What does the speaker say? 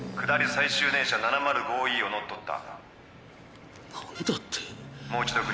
最終電車７０５Ｅを乗っ取った。